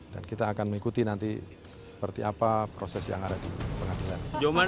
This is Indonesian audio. dan kita akan mengikuti nanti seperti apa proses yang ada di pengadilan